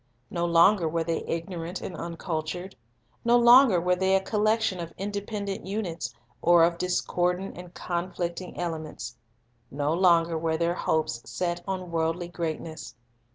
No longer were they ignorant and uncultured. No longer were they a collection of independent units or of discordant and conflicting elements. No longer were their hopes set on worldly greatness.